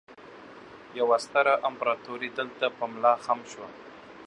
يوه ستره امپراتورۍ دلته په ملا خم شوه